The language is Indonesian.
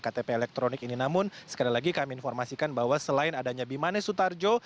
ktp elektronik ini namun sekali lagi kami informasikan bahwa selain adanya bimanes sutarjo